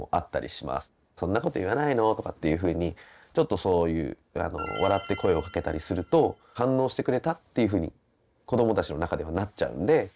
「そんなこと言わないの」とかっていうふうにちょっとそういう笑って声をかけたりすると「反応してくれた！」っていうふうに子どもたちの中ではなっちゃうんで。